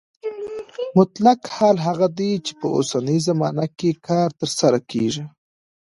مطلق حال هغه دی چې په اوسنۍ زمانه کې کار ترسره کیږي.